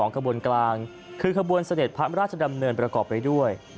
ขบวนกลางคือขบวนเสด็จพระราชดำเนินประกอบไปด้วย